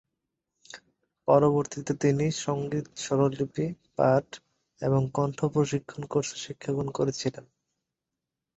পরবর্তীতে তিনি সঙ্গীত-স্বরলিপি পাঠ এবং কণ্ঠ প্রশিক্ষণ কোর্সে শিক্ষাগ্রহণ করেছিলেন।